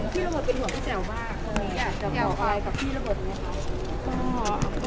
พี่รับรู้เป็นห่วงที่แหล่วมากอยากจะบอกอะไรกับพี่รับรู้ไหมครับ